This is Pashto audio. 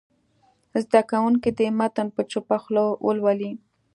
زده کوونکي دې متن په چوپه خوله ولولي.